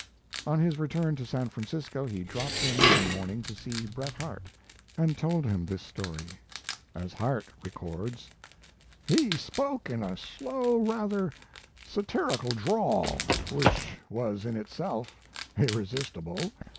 On his return to San Francisco, he dropped in one morning to see Bret Harte, and told him this story. As Harte records: "He spoke in a slow, rather satirical drawl, which was in itself irresistible.